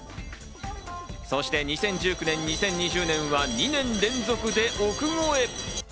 そして２０１９年、２０２０年は２年連続で億超え。